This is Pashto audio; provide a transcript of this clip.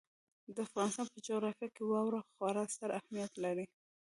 د افغانستان په جغرافیه کې واوره خورا ستر اهمیت لري.